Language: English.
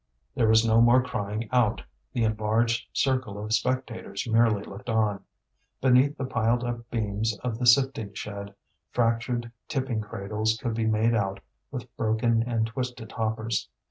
There was no more crying out; the enlarged circle of spectators merely looked on. Beneath the piled up beams of the sifting shed, fractured tipping cradles could be made out with broken and twisted hoppers.